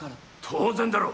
当然だろ。